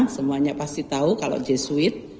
semuanya pasti tahu kalau jesuit